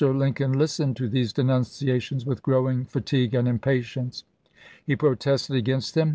Lin coln listened to these denunciations with growing fatigue and impatience. He protested against them.